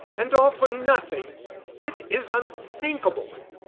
And all for nothing. It is unthinkable."